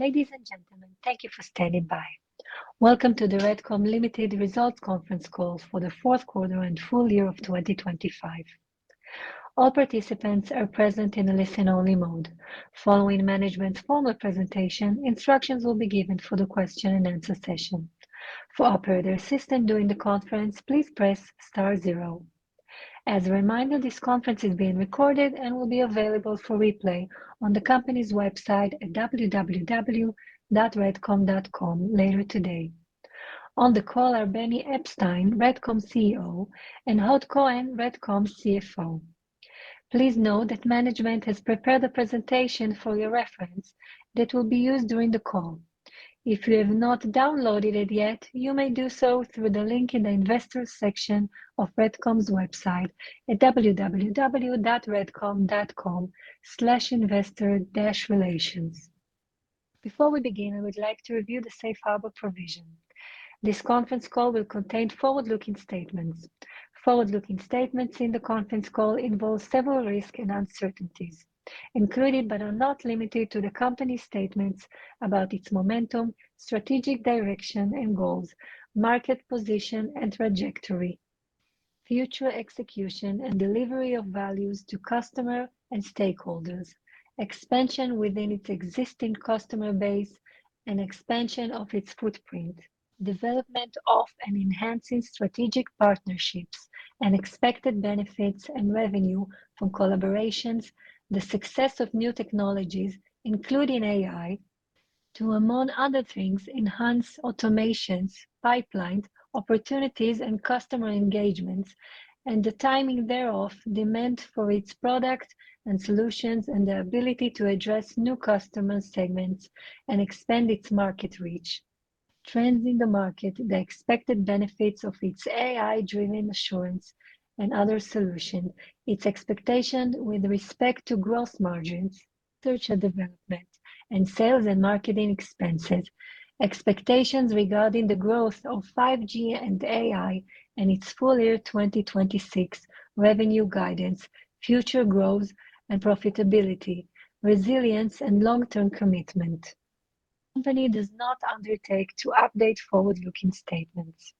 Ladies and gentlemen, thank you for standing by. Welcome to the RADCOM Limited Results Conference call for the Fourth Quarter and Full Year of 2025. All participants are present in a listen-only mode. Following management's formal presentation, instructions will be given for the question-and-answer session. For operator assistance during the conference, please press star zero. As a reminder, this conference is being recorded and will be available for replay on the company's website at www.radcom.com later today. On the call are Benny Eppstein, RADCOM CEO, and Hod Cohen, RADCOM CFO. Please note that management has prepared a presentation for your reference that will be used during the call. If you have not downloaded it yet, you may do so through the link in the investors section of RADCOM's website at www.radcom.com/investor-relations. Before we begin, I would like to review the Safe Harbor provision. This conference call will contain forward-looking statements. Forward-looking statements in the conference call involve several risks and uncertainties, included but are not limited to the company's statements about its momentum, strategic direction and goals, market position and trajectory, future execution and delivery of value to customer and stakeholders, expansion within its existing customer base, and expansion of its footprint, development of and enhancing strategic partnerships, and expected benefits and revenue from collaborations, the success of new technologies, including AI, to among other things, enhance automations, pipelines, opportunities and customer engagements, and the timing thereof, demand for its product and solutions and the ability to address new customer segments and expand its market reach, trends in the market, the expected benefits of its AI-driven assurance and other solutions. Its expectation with respect to gross margins, research and development, and sales and marketing expenses, expectations regarding the growth of 5G and AI and its full year 2026 revenue guidance, future growth and profitability, resilience and long-term commitment. The company does not undertake to update forward-looking statements.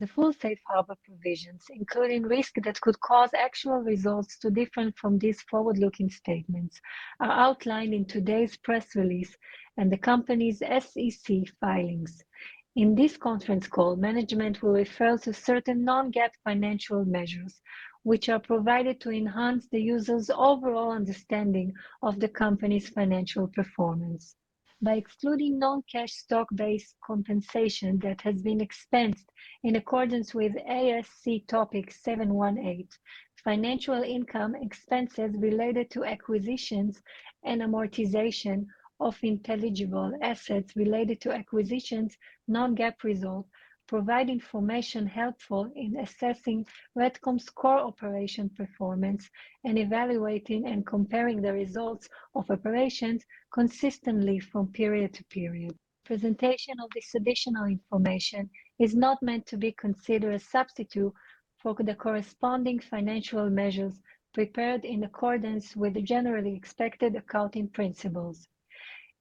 The full Safe Harbor provisions, including risks that could cause actual results to differ from these forward-looking statements, are outlined in today's press release and the company's SEC filings. In this conference call, management will refer to certain non-GAAP financial measures, which are provided to enhance the user's overall understanding of the company's financial performance. By excluding non-cash stock-based compensation that has been expensed in accordance with ASC Topic 718, financial income expenses related to acquisitions and amortization of intangible assets related to acquisitions non-GAAP results provide information helpful in assessing RADCOM's core operation performance and evaluating and comparing the results of operations consistently from period to period. The presentation of this additional information is not meant to be considered a substitute for the corresponding financial measures prepared in accordance with the generally accepted accounting principles.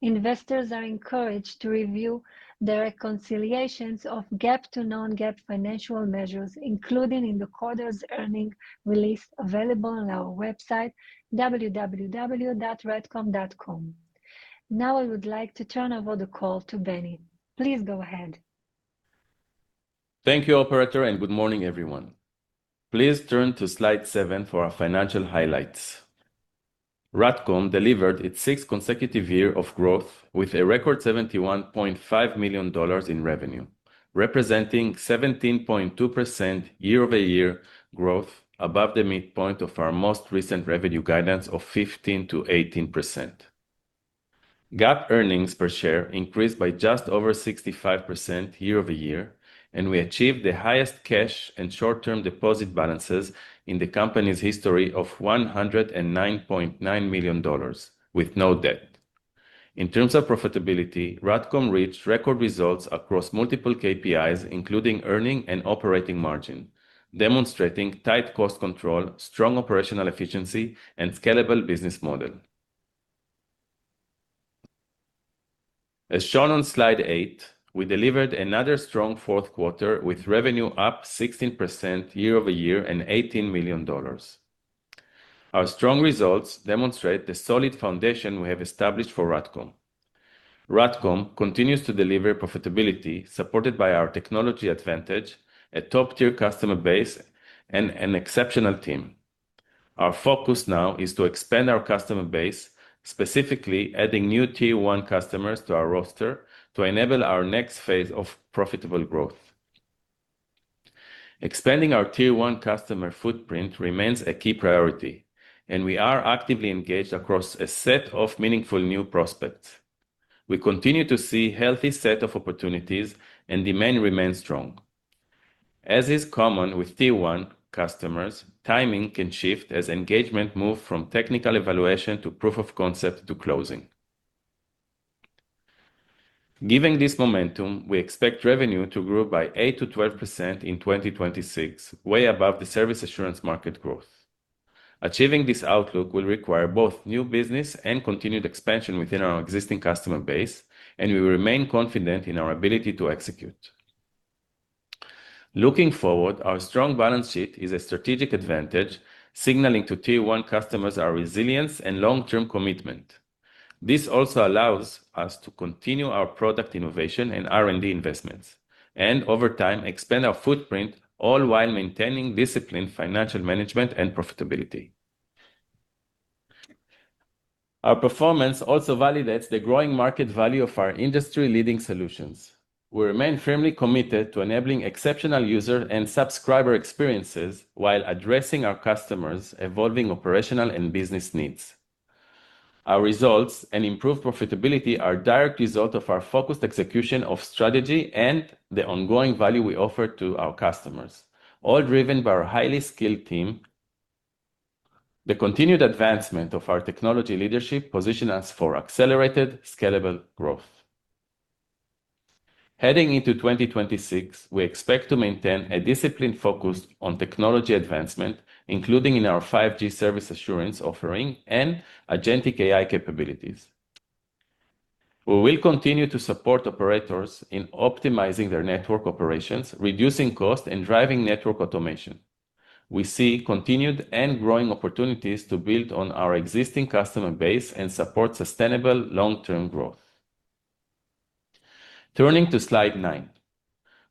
Investors are encouraged to review the reconciliations of GAAP-to-non-GAAP financial measures, including in the quarter's earnings release available on our website, www.radcom.com. Now I would like to turn over the call to Benny. Please go ahead. Thank you, operator, and good morning, everyone. Please turn to slide 7 for our financial highlights. RADCOM delivered its sixth consecutive year of growth with a record $71.5 million in revenue, representing 17.2% year-over-year growth above the midpoint of our most recent revenue guidance of 15%-18%. GAAP earnings per share increased by just over 65% year-over-year, and we achieved the highest cash and short-term deposit balances in the company's history of $109.9 million, with no debt. In terms of profitability, RADCOM reached record results across multiple KPIs, including earning and operating margin, demonstrating tight cost control, strong operational efficiency, and scalable business model. As shown on slide 8, we delivered another strong fourth quarter with revenue up 16% year-over-year and $18 million. Our strong results demonstrate the solid foundation we have established for RADCOM. RADCOM continues to deliver profitability supported by our technology advantage, a top-tier customer base, and an exceptional team. Our focus now is to expand our customer base, specifically adding new Tier 1 customers to our roster to enable our next phase of profitable growth. Expanding our Tier 1 customer footprint remains a key priority, and we are actively engaged across a set of meaningful new prospects. We continue to see a healthy set of opportunities, and demand remains strong. As is common with Tier 1 customers, timing can shift as engagement moves from technical evaluation to proof of concept to closing. Given this momentum, we expect revenue to grow by 8%-12% in 2026, way above the service assurance market growth. Achieving this outlook will require both new business and continued expansion within our existing customer base, and we remain confident in our ability to execute. Looking forward, our strong balance sheet is a strategic advantage, signaling to Tier 1 customers our resilience and long-term commitment. This also allows us to continue our product innovation and R&D investments, and over time expand our footprint all while maintaining disciplined financial management and profitability. Our performance also validates the growing market value of our industry-leading solutions. We remain firmly committed to enabling exceptional user and subscriber experiences while addressing our customers' evolving operational and business needs. Our results and improved profitability are a direct result of our focused execution of strategy and the ongoing value we offer to our customers, all driven by our highly skilled team. The continued advancement of our technology leadership positions us for accelerated, scalable growth. Heading into 2026, we expect to maintain a disciplined focus on technology advancement, including in our 5G service assurance offering and agentic AI capabilities. We will continue to support operators in optimizing their network operations, reducing costs, and driving network automation. We see continued and growing opportunities to build on our existing customer base and support sustainable long-term growth. Turning to slide nine,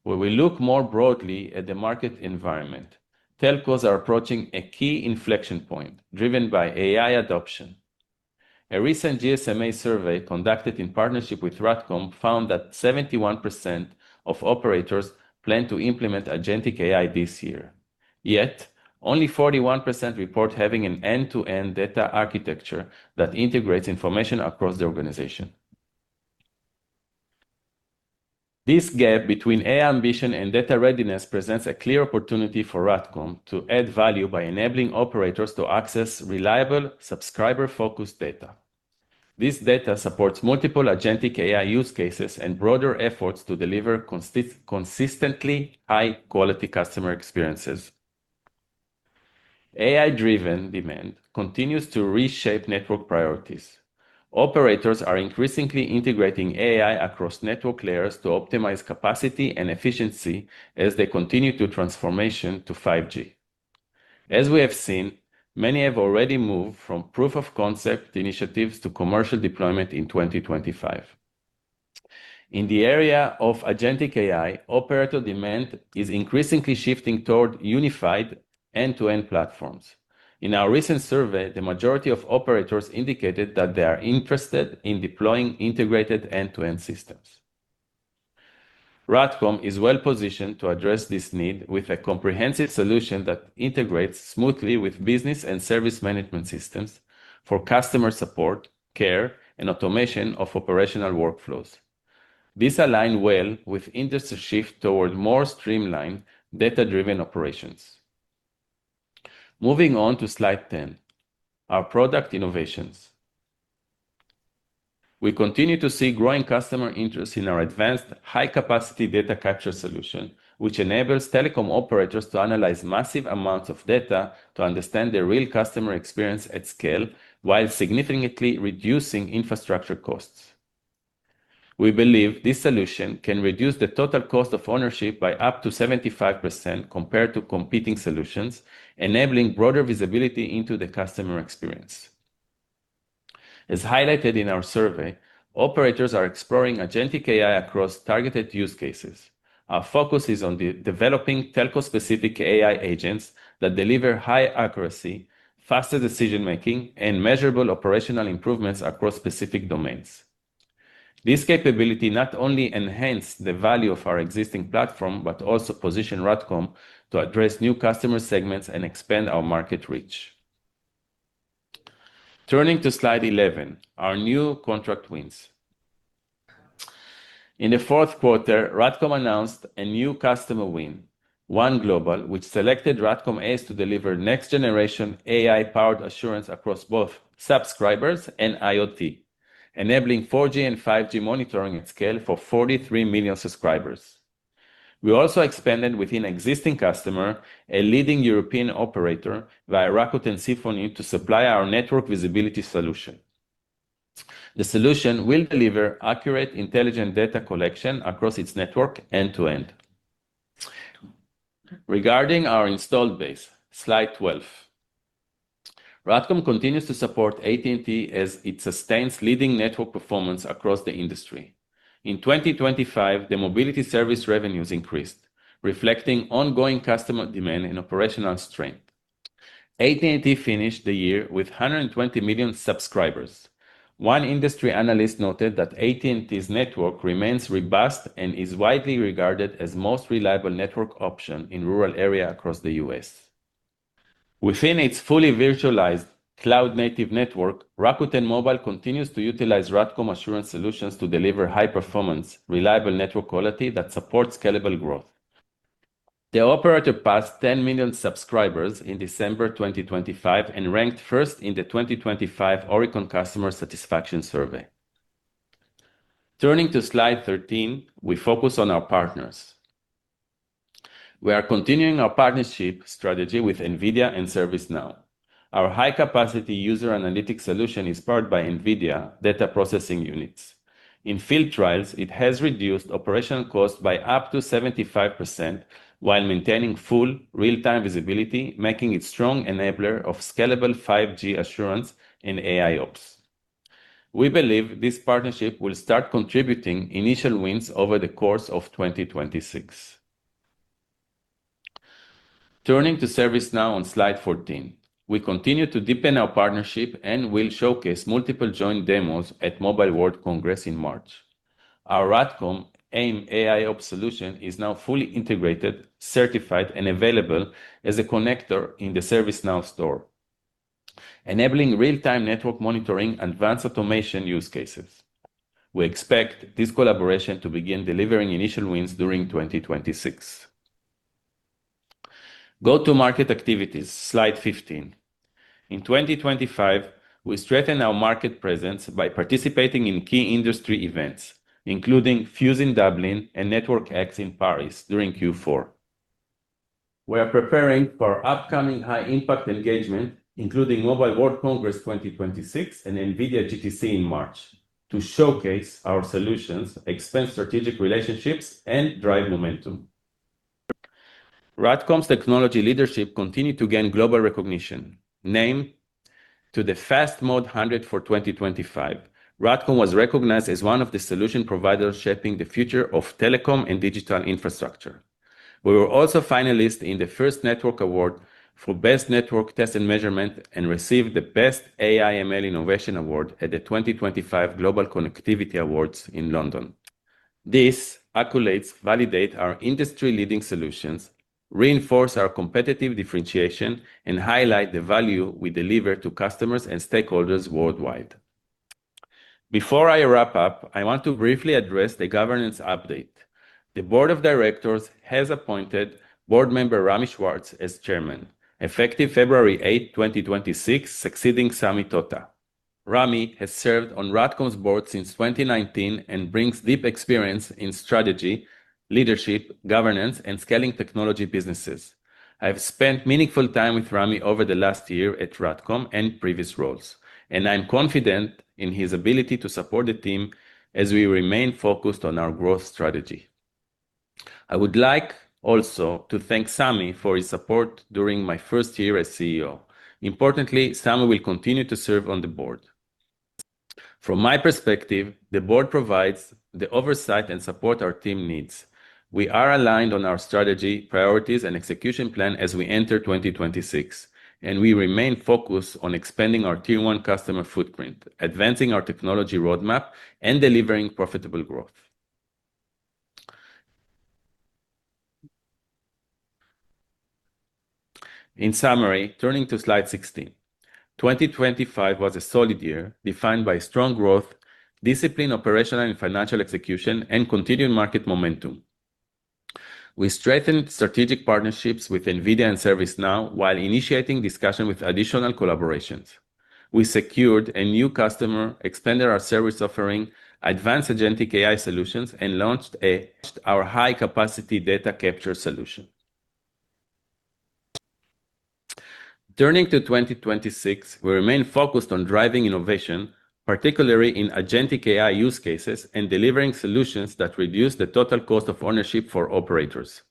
where we look more broadly at the market environment, telcos are approaching a key inflection point driven by AI adoption. A recent GSMA survey conducted in partnership with RADCOM found that 71% of operators plan to implement agentic AI this year. Yet, only 41% report having an end-to-end data architecture that integrates information across the organization. This gap between AI ambition and data readiness presents a clear opportunity for RADCOM to add value by enabling operators to access reliable, subscriber-focused data. This data supports multiple agentic AI use cases and broader efforts to deliver consistently high-quality customer experiences. AI-driven demand continues to reshape network priorities. Operators are increasingly integrating AI across network layers to optimize capacity and efficiency as they continue to transform to 5G. As we have seen, many have already moved from proof of concept initiatives to commercial deployment in 2025. In the area of agentic AI, operator demand is increasingly shifting toward unified end-to-end platforms. In our recent survey, the majority of operators indicated that they are interested in deploying integrated end-to-end systems. RADCOM is well positioned to address this need with a comprehensive solution that integrates smoothly with business and service management systems for customer support, care, and automation of operational workflows. This aligns well with the industry shift toward more streamlined, data-driven operations. Moving on to slide 10, our product innovations. We continue to see growing customer interest in our advanced, high-capacity data capture solution, which enables telecom operators to analyze massive amounts of data to understand their real customer experience at scale while significantly reducing infrastructure costs. We believe this solution can reduce the total cost of ownership by up to 75% compared to competing solutions, enabling broader visibility into the customer experience. As highlighted in our survey, operators are exploring agentic AI across targeted use cases. Our focus is on developing telco-specific AI agents that deliver high accuracy, faster decision-making, and measurable operational improvements across specific domains. This capability not only enhances the value of our existing platform but also positions RADCOM to address new customer segments and expand our market reach. Turning to slide 11, our new contract wins. In the fourth quarter, RADCOM announced a new customer win, 1GLOBAL, which selected RADCOM ACE to deliver next-generation AI-powered assurance across both subscribers and IoT, enabling 4G and 5G monitoring at scale for 43 million subscribers. We also expanded within existing customers, a leading European operator, via Rakuten Symphony to supply our network visibility solution. The solution will deliver accurate, intelligent data collection across its network end-to-end. Regarding our installed base, slide 12. RADCOM continues to support AT&T as it sustains leading network performance across the industry. In 2025, the mobility service revenues increased, reflecting ongoing customer demand and operational strength. AT&T finished the year with 120 million subscribers. One industry analyst noted that AT&T's network remains robust and is widely regarded as the most reliable network option in rural areas across the U.S. Within its fully virtualized, cloud-native network, Rakuten Mobile continues to utilize RADCOM assurance solutions to deliver high-performance, reliable network quality that supports scalable growth. The operator passed 10 million subscribers in December 2025 and ranked first in the 2025 Oricon Customer Satisfaction Survey. Turning to slide 13, we focus on our partners. We are continuing our partnership strategy with NVIDIA and ServiceNow. Our high-capacity user analytics solution is powered by NVIDIA Data Processing Units. In field trials, it has reduced operational costs by up to 75% while maintaining full, real-time visibility, making it a strong enabler of scalable 5G assurance and AIOps. We believe this partnership will start contributing initial wins over the course of 2026. Turning to ServiceNow on slide 14. We continue to deepen our partnership and will showcase multiple joint demos at Mobile World Congress in March. Our RADCOM AIOps solution is now fully integrated, certified, and available as a connector in the ServiceNow Store. Enabling real-time network monitoring advanced automation use cases. We expect this collaboration to begin delivering initial wins during 2026. Go to market activities, slide 15. In 2025, we strengthen our market presence by participating in key industry events, including Fyuz in Dublin and Network X in Paris during Q4. We are preparing for upcoming high-impact engagements, including Mobile World Congress 2026 and NVIDIA GTC in March, to showcase our solutions, expand strategic relationships, and drive momentum. RADCOM's technology leadership continues to gain global recognition. Named to the Fast Mode 100 for 2025, RADCOM was recognized as one of the solution providers shaping the future of telecom and digital infrastructure. We were also finalists in the Fierce Network Innovation Awards for Best Network Test and Measurement and received the Best AI/ML Innovation Award at the 2025 Global Connectivity Awards in London. These accolades validate our industry-leading solutions, reinforce our competitive differentiation, and highlight the value we deliver to customers and stakeholders worldwide. Before I wrap up, I want to briefly address a governance update. The board of directors has appointed board member Rami Schwartz as chairman, effective February 8, 2026, succeeding Sami Totah. Rami has served on RADCOM's board since 2019 and brings deep experience in strategy, leadership, governance, and scaling technology businesses. I have spent meaningful time with Rami over the last year at RADCOM and previous roles, and I am confident in his ability to support the team as we remain focused on our growth strategy. I would like also to thank Sami for his support during my first year as CEO. Importantly, Sami will continue to serve on the board. From my perspective, the board provides the oversight and support our team needs. We are aligned on our strategy, priorities, and execution plan as we enter 2026, and we remain focused on expanding our Tier 1 customer footprint, advancing our technology roadmap, and delivering profitable growth. In summary, turning to slide 16. 2025 was a solid year, defined by strong growth, disciplined operational and financial execution, and continued market momentum. We strengthened strategic partnerships with NVIDIA and ServiceNow while initiating discussions with additional collaborations. We secured a new customer, expanded our service offering, advanced agentic AI solutions, and launched ACE. Our high-capacity data capture solution. Turning to 2026, we remain focused on driving innovation, particularly in agentic AI use cases, and delivering solutions that reduce the Total Cost of Ownership for operators.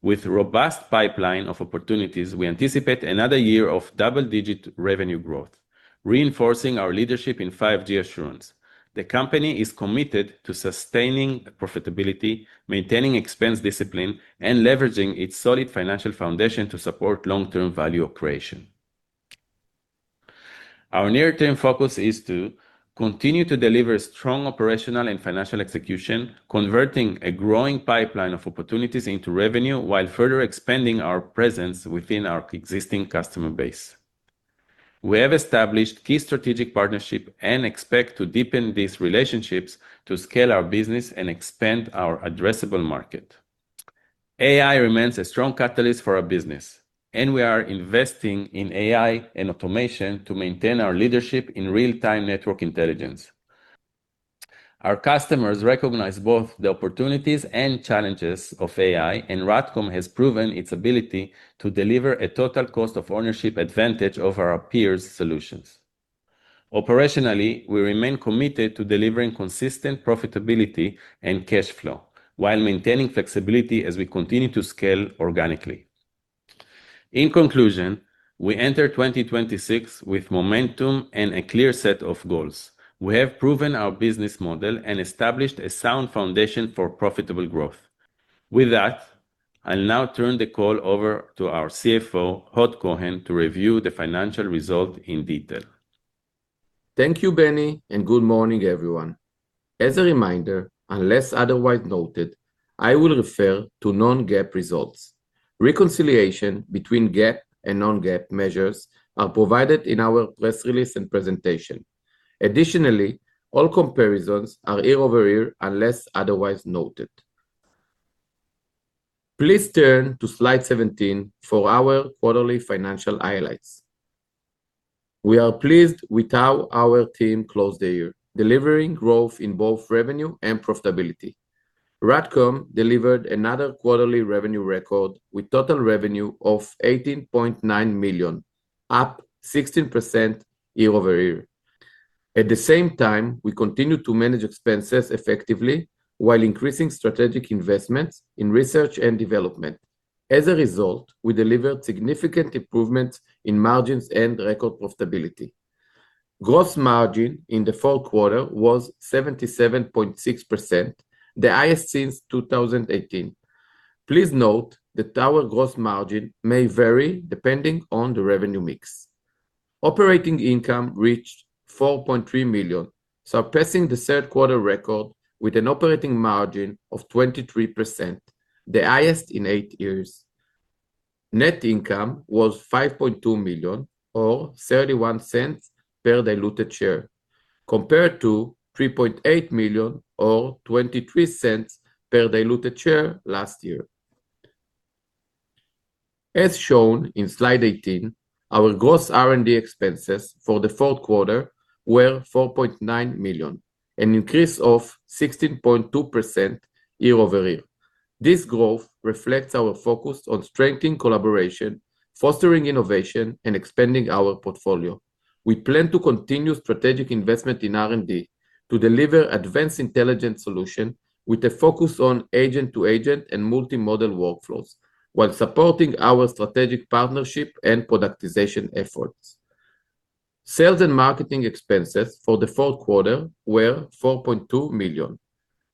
With a robust pipeline of opportunities, we anticipate another year of double-digit revenue growth, reinforcing our leadership in 5G assurance. The company is committed to sustaining profitability, maintaining expense discipline, and leveraging its solid financial foundation to support long-term value creation. Our near-term focus is to continue to deliver strong operational and financial execution, converting a growing pipeline of opportunities into revenue while further expanding our presence within our existing customer base. We have established key strategic partnerships and expect to deepen these relationships to scale our business and expand our addressable market. AI remains a strong catalyst for our business, and we are investing in AI and automation to maintain our leadership in real-time network intelligence. Our customers recognize both the opportunities and challenges of AI, and RADCOM has proven its ability to deliver a total cost of ownership advantage over our peers' solutions. Operationally, we remain committed to delivering consistent profitability and cash flow, while maintaining flexibility as we continue to scale organically. In conclusion, we enter 2026 with momentum and a clear set of goals. We have proven our business model and established a sound foundation for profitable growth. With that, I will now turn the call over to our CFO, Hod Cohen, to review the financial result in detail. Thank you, Benny, and good morning, everyone. As a reminder, unless otherwise noted, I will refer to non-GAAP results. Reconciliation between GAAP and non-GAAP measures are provided in our press release and presentation. Additionally, all comparisons are year-over-year unless otherwise noted. Please turn to slide 17 for our quarterly financial highlights. We are pleased with how our team closed the year, delivering growth in both revenue and profitability. RADCOM delivered another quarterly revenue record with total revenue of $18.9 million, up 16% year-over-year. At the same time, we continue to manage expenses effectively while increasing strategic investments in research and development. As a result, we delivered significant improvements in margins and record profitability. Gross margin in the fourth quarter was 77.6%, the highest since 2018. Please note that our gross margin may vary depending on the revenue mix. Operating income reached $4.3 million, surpassing the third-quarter record with an operating margin of 23%, the highest in eight years. Net income was $5.2 million or $0.31 per diluted share, compared to $3.8 million or $0.23 per diluted share last year. As shown in slide 18, our gross R&D expenses for the fourth quarter were $4.9 million, an increase of 16.2% year-over-year. This growth reflects our focus on strengthening collaboration, fostering innovation, and expanding our portfolio. We plan to continue strategic investment in R&D to deliver advanced intelligent solutions with a focus on agent-to-agent and multimodal workflows, while supporting our strategic partnership and productization efforts. Sales and marketing expenses for the fourth quarter were $4.2 million,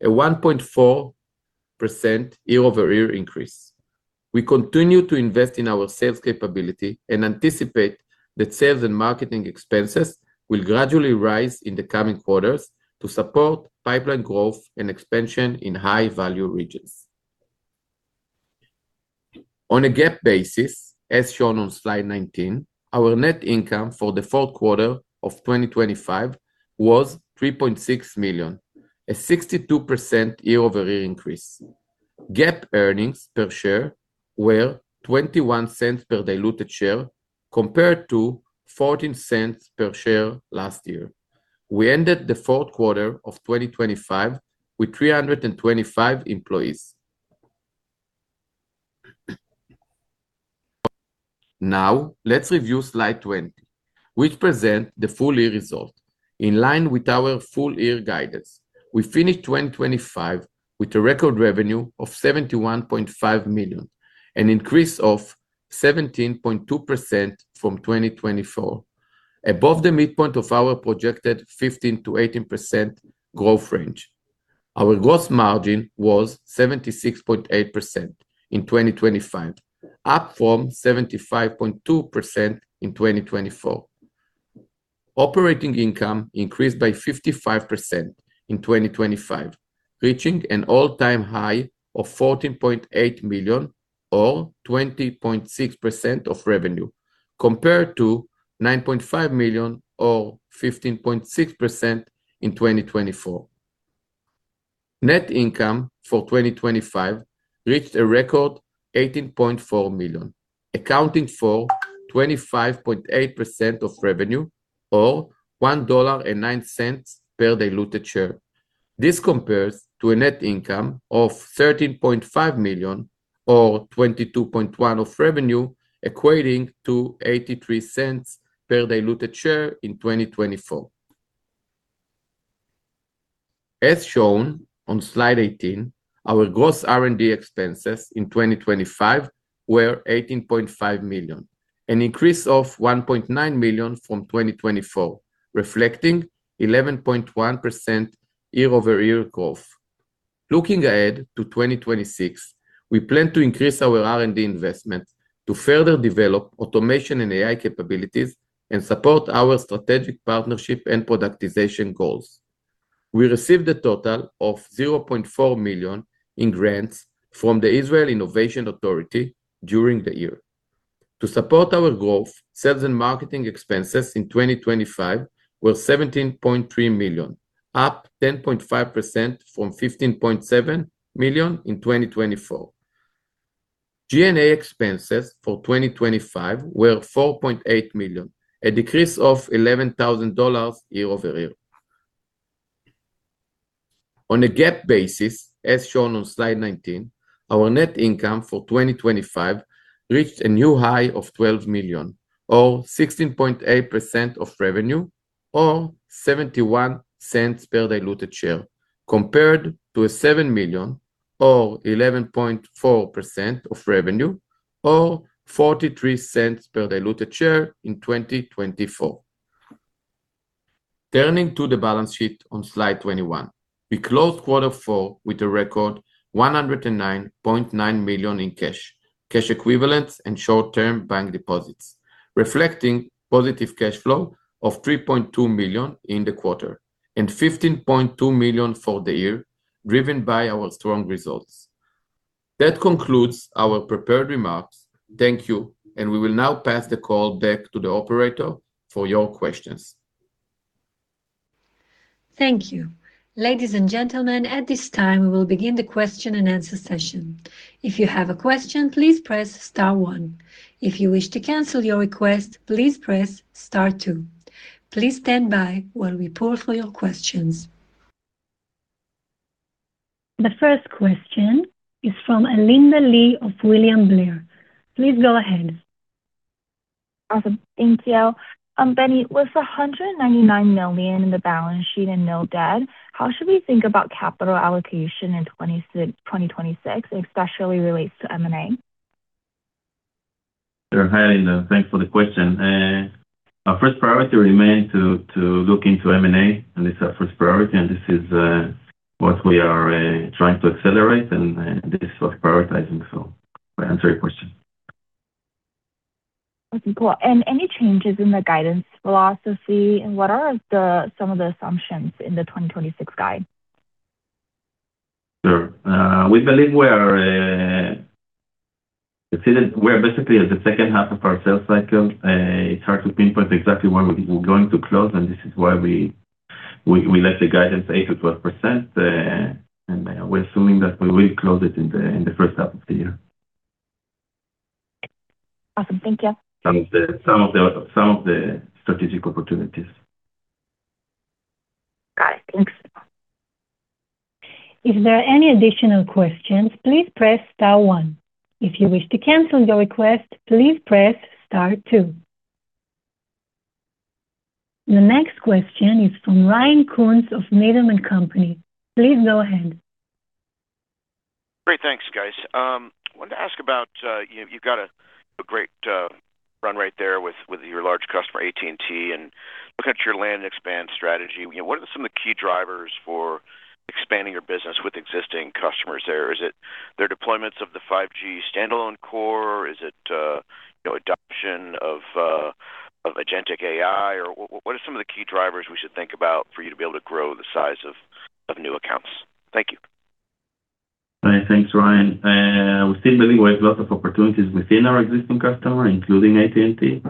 a 1.4% year-over-year increase. We continue to invest in our sales capability and anticipate that sales and marketing expenses will gradually rise in the coming quarters to support pipeline growth and expansion in high-value regions. On a GAAP basis, as shown on slide 19, our net income for the fourth quarter of 2025 was $3.6 million, a 62% year-over-year increase. GAAP earnings per share were $0.21 per diluted share, compared to $0.14 per share last year. We ended the fourth quarter of 2025 with 325 employees. Now, let's review slide 20, which presents the full year result. In line with our full year guidance, we finished 2025 with a record revenue of $71.5 million, an increase of 17.2% from 2024, above the midpoint of our projected 15%-18% growth range. Our gross margin was 76.8% in 2025, up from 75.2% in 2024. Operating income increased by 55% in 2025, reaching an all-time high of $14.8 million or 20.6% of revenue, compared to $9.5 million or 15.6% in 2024. Net income for 2025 reached a record $18.4 million, accounting for 25.8% of revenue or $1.09 per diluted share. This compares to a net income of $13.5 million or 22.1% of revenue, equating to $0.83 per diluted share in 2024. As shown on slide 18, our gross R&D expenses in 2025 were $18.5 million, an increase of $1.9 million from 2024, reflecting 11.1% year-over-year growth. Looking ahead to 2026, we plan to increase our R&D investments to further develop automation and AI capabilities and support our strategic partnership and productization goals. We received a total of $0.4 million in grants from the Israel Innovation Authority during the year. To support our growth, sales and marketing expenses in 2025 were $17.3 million, up 10.5% from $15.7 million in 2024. G&A expenses for 2025 were $4.8 million, a decrease of $11,000 year-over-year. On a GAAP basis, as shown on slide 19, our net income for 2025 reached a new high of $12 million or 16.8% of revenue or $0.71 per diluted share, compared to $7 million or 11.4% of revenue or $0.43 per diluted share in 2024. Turning to the balance sheet on slide 21. We closed quarter four with a record $109.9 million in cash, cash equivalents, and short-term bank deposits, reflecting positive cash flow of $3.2 million in the quarter and $15.2 million for the year, driven by our strong results. That concludes our prepared remarks. Thank you, and we will now pass the call back to the operator for your questions. Thank you. Ladies and gentlemen, at this time, we will begin the question and answer session. If you have a question, please press star one. If you wish to cancel your request, please press star two. Please stand by while we pull for your questions. The first question is from Alinda Lee of William Blair. Please go ahead. Awesome. Thank you. Benny, with $199 million in the balance sheet and no debt, how should we think about capital allocation in 2026, especially when it relates to M&A? Sure, hi Alinda. Thanks for the question. Our first priority remains to look into M&A, and this is our first priority, and this is what we are trying to accelerate, and this is what we're prioritizing, so that I answer your question. Awesome. Cool. And any changes in the guidance philosophy, and what are some of the assumptions in the 2026 guide? Sure. We believe we are basically at the second half of our sales cycle. It's hard to pinpoint exactly when we're going to close, and this is why we set the guidance 8%-12%, and we're assuming that we will close it in the first half of the year. Awesome. Thank you. Some of the strategic opportunities. Got it. Thanks. If there are any additional questions, please press star one. If you wish to cancel your request, please press star two. The next question is from Ryan Koontz of Needham & Company. Please go ahead. Great. Thanks, guys. I wanted to ask about, you've got a great run right there with your large customer, AT&T, and looking at your land expand strategy. What are some of the key drivers for expanding your business with existing customers there? Is it their deployments of the 5G standalone core, or is it adoption of agentic AI? Or what are some of the key drivers we should think about for you to be able to grow the size of new accounts? Thank you. All right. Thanks, Ryan. We still believe we have lots of opportunities within our existing customer, including AT&T.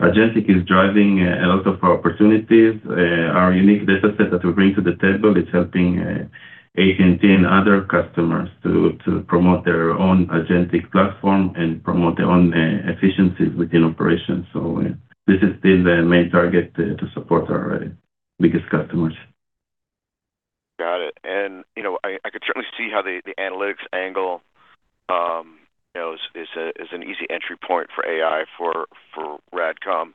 Agentic is driving a lot of our opportunities. Our unique dataset that we bring to the table is helping AT&T and other customers to promote their own agentic platform and promote their own efficiencies within operations. So this is still the main target to support our biggest customers. Got it. And I could certainly see how the analytics angle is an easy entry point for AI for RADCOM.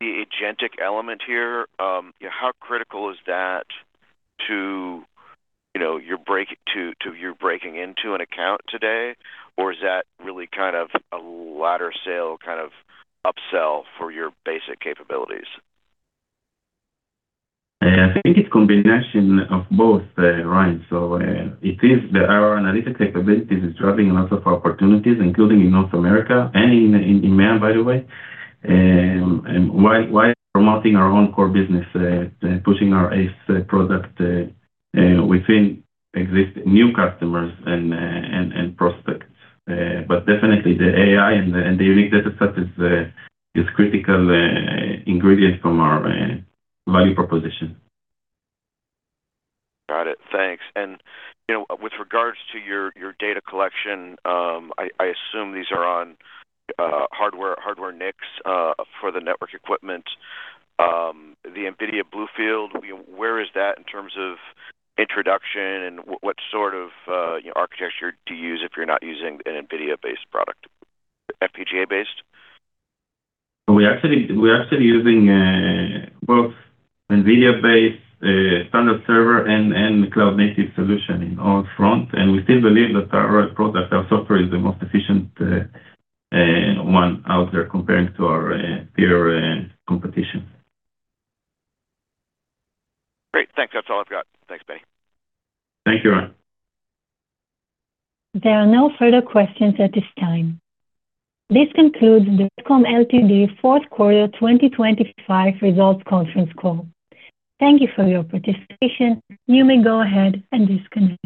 The agentic element here, how critical is that to your breaking into an account today, or is that really kind of a latter-sale kind of upsell for your basic capabilities? I think it's a combination of both, Ryan. So our analytic capabilities are driving lots of opportunities, including in North America and in EMEA, by the way. And while promoting our own core business, pushing our ACE product within new customers and prospects, but definitely, the AI and the unique dataset is a critical ingredient from our value proposition. Got it. Thanks. And with regards to your data collection, I assume these are on hardware NICs for the network equipment. The NVIDIA BlueField, where is that in terms of introduction, and what sort of architecture do you use if you're not using an NVIDIA-based product, FPGA-based? We are still using both NVIDIA-based standard server and cloud-native solution in all front, and we still believe that our product, our software, is the most efficient one out there comparing to our peer competition. Great. Thanks. That's all I've got. Thanks, Benny. Thank you, Ryan. There are no further questions at this time. This concludes the RADCOM Limited fourth quarter 2025 results conference call. Thank you for your participation. You may go ahead and disconnect.